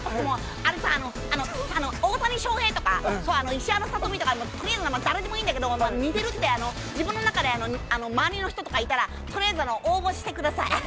あれさ、大谷翔平とか、石原さとみとかとりあえず誰でもいいんだけど、似てるって、自分の中で周りの人と書いたら、とりあえず応募してください。